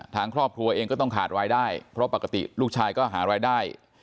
ทางครอบครัวเองก็ต้องขาดวายได้เพราะปกติลูกชายก็หารายได้